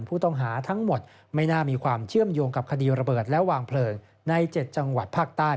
ผู้ต้องหาทั้งหมดไม่น่ามีความเชื่อมโยงกับคดีระเบิดและวางเพลิงใน๗จังหวัดภาคใต้